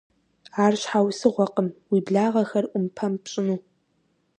Ар щхьэусыгъуэкъым уи благъэхэр Ӏумпэм пщӀыну.